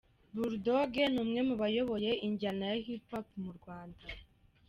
Bull Dogg ni umwe mu bayoboye injyana ya Hiphop mu Rwanda.